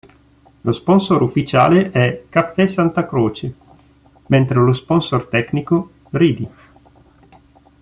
Lo sponsor ufficiale è Caffè Santacroce, mentre lo sponsor tecnico Ready.